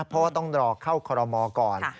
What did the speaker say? เพราะว่าต้องรอเข้าคอรมอก่อน